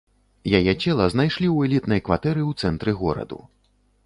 Яе цела знайшлі ў элітнай кватэры ў цэнтры гораду.